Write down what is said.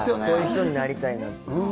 そういう人になりたいなって。